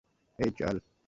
এই, চল।